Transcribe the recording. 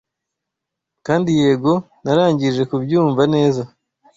Kandi yego narangije kubyumva neza